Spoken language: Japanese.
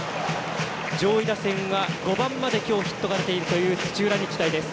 上位打線は５番までヒットが出ているという土浦日大です。